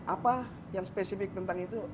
apa yang spesifik tentang itu